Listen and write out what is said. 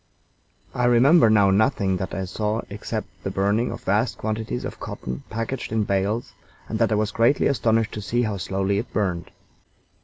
I remember now nothing that I saw except the burning of vast quantities of cotton packed in bales, and that I was greatly astonished to see how slowly it burned.